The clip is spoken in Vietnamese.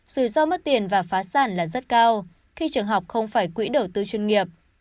rủi ro mất tiền và phá sản là rất cao khi trường học không phải quỹ đầu tư chuyên nghiệp